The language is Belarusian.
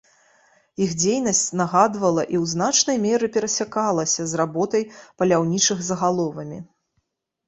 Іх дзейнасць нагадвала і ў значнай меры перасякалася з работай паляўнічых за галовамі.